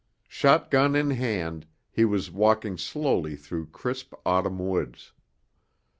Shotgun in hand, he was walking slowly through crisp autumn woods.